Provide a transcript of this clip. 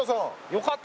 よかった。